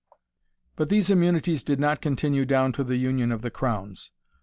But these immunities did not continue down to the union of the crowns.